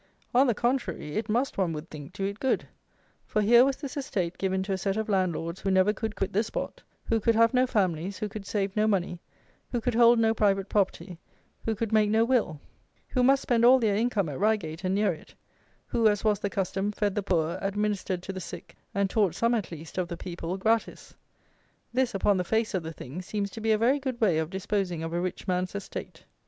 On the contrary, it must, one would think, do it good; for here was this estate given to a set of landlords who never could quit the spot; who could have no families; who could save no money; who could hold no private property; who could make no will; who must spend all their income at Reigate and near it; who as was the custom, fed the poor, administered to the sick, and taught some, at least, of the people, gratis. This, upon the face of the thing, seems to be a very good way of disposing of a rich man's estate.